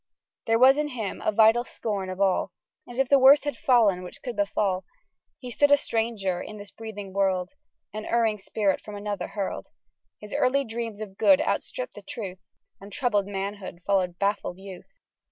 There was in him a vital scorn of all: As if the worst had fall'n which could befall; He stood a stranger in this breathing world, An erring spirit from another hurl'd.... His early dreams of good outstripp'd the truth, And troubled manhood follow'd baffled youth.